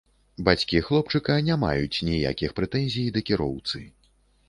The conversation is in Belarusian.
Бацькі хлопчыка не маюць ніякіх прэтэнзій да кіроўцы.